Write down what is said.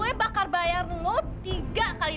saya akan membayarmu tiga kali